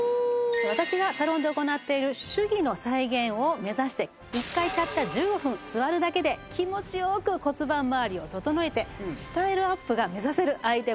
私がサロンで行っている手技の再現を目指して１回たった１５分座るだけで気持ちよく骨盤まわりを整えてスタイルアップが目指せるアイテムなんです。